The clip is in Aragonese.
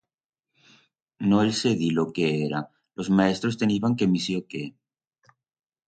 No el sé dir lo que era, los maestros teniban quemesió qué.